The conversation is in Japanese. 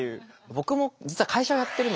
僕も実は会社をやってるので。